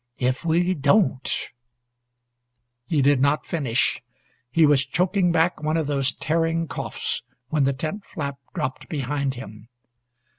If we don't " He did not finish. He was choking back one of those tearing coughs when the tent flap dropped behind him.